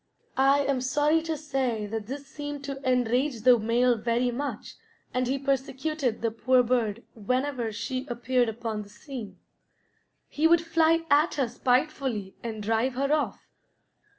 I am sorry to say that this seemed to enrage the male very much, and he persecuted the poor bird whenever she appeared upon the scene. He would fly at her spitefully and drive her off.